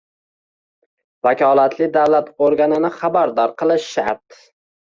vakolatli davlat organini xabardor qilish shart